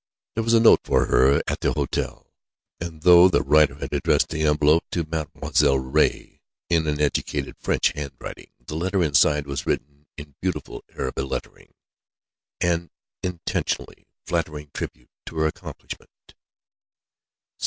There was a note for her at the hotel, and though the writer had addressed the envelope to "Mademoiselle Ray," in an educated French handwriting, the letter inside was written in beautiful Arab lettering, an intentionally flattering tribute to her accomplishment.